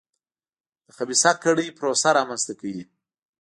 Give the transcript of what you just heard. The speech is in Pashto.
د خبیثه کړۍ پروسه رامنځته کوي.